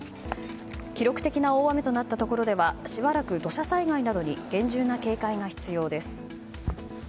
記録的な大雨となったところではしばらく土砂災害などに厳重な警戒に必要です。